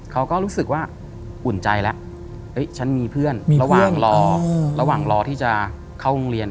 เขาก็รู้สึกว่าอุ่นใจแล้วฉันมีเพื่อนระหว่างรอระหว่างรอที่จะเข้าโรงเรียน